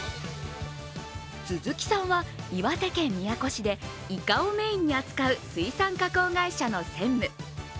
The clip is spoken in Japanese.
鈴木さんは岩手県宮古市でイカをメインに扱う水産加工会社の専務。